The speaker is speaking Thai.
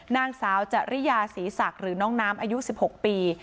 นางสาวจริยาศรีศักดิ์หรือน้องน้ำอายุ๑๖ปี